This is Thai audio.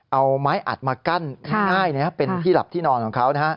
เอาไม้อัดมากั้นง่ายเป็นที่หลับที่นอนของเขา